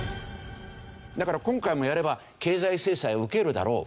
だから今回もやれば経済制裁を受けるだろう。